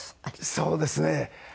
そうですね。